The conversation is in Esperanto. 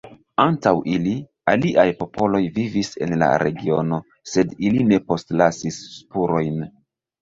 Antaŭ ili, aliaj popoloj vivis en la regiono, sed ili ne postlasis spurojn.